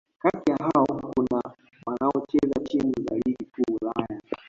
Kati ya hao kuna wanaocheza timu za Ligi Kuu Ulaya